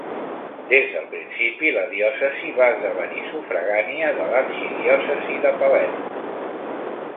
Des del principi la diòcesi va esdevenir sufragània de l'arxidiòcesi de Palerm.